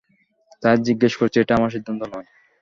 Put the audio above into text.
তাই জিজ্ঞেস করছি, এটা আমার সিদ্ধান্ত নয়।